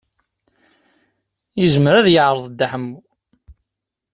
Yezmer ad yeɛreḍ Dda Ḥemmu?